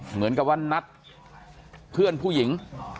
เหมือนกับว่านัดเพื่อนผู้หญิง